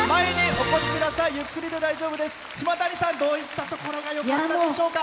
島谷さんどういったところがよかったでしょうか？